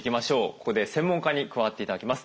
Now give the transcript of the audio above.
ここで専門家に加わって頂きます。